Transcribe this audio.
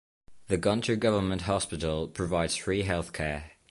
The Guntur Government Hospital provides free healthcare.